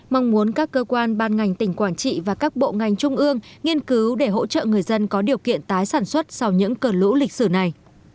mong muốn các cơ quan ban ngành tỉnh quảng trị và các bộ ngành trung ương nghiên cứu để hỗ trợ người dân có điều kiện tái sản xuất sau những cơn lũ lịch sử này